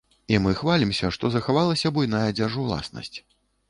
І мы хвалімся, што захавалася буйная дзяржуласнасць.